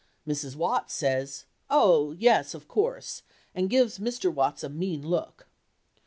Mrs. Watts says, "Oh, yes, of course," and gives Mr. Watts a mean look.